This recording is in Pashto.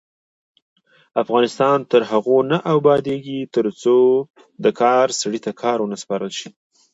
افغانستان تر هغو نه ابادیږي، ترڅو د کار سړي ته کار ونه سپارل شي.